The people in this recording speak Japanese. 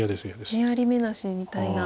眼あり眼なしみたいな。